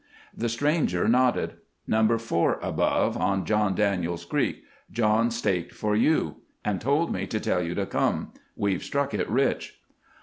The stranger nodded. "Number Four Above, on John Daniels Creek. John staked for you, and told me to tell you to come. We've struck it rich."